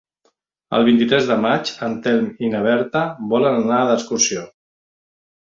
El vint-i-tres de maig en Telm i na Berta volen anar d'excursió.